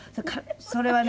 それはね。